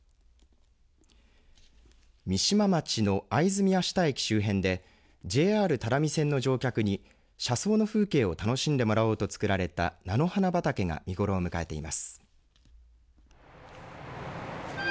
三島町の会津宮下駅周辺でＪＲ只見線の乗客に車窓の風景を楽しんでもらおうと作られた菜の花畑が見頃を迎えています。